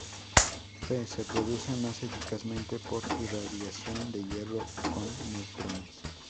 Fe se produce más eficazmente por irradiación de hierro con neutrones.